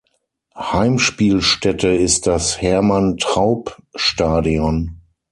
Heimspielstätte ist das Hermann-Traub-Stadion.